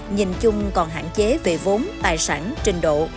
nhìn chung còn hạn chế về vốn tài sản trình độ